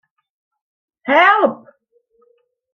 Help.